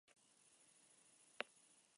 Son mundialmente reconocidas sus máscaras.